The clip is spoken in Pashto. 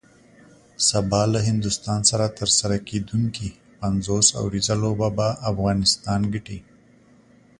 سبا له هندوستان سره ترسره کیدونکی پنځوس اوریزه لوبه به افغانستان ګټي